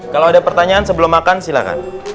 kalau ada pertanyaan sebelum makan silakan